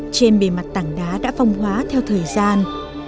trên bề mặt tảng đá đã phong hóa theo thời gian